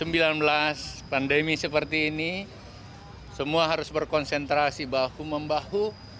pandemi seperti ini semua harus berkonsentrasi bahu membahu